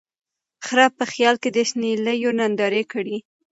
خره په خیال کی د شنېلیو نندارې کړې